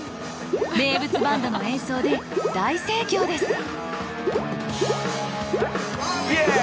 名物バンドの演奏で大盛況ですイエ！